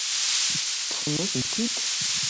Teṭṭfem-asen-tent-id.